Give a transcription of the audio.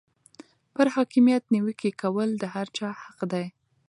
پر حاکمیت نیوکې کول د هر چا حق دی.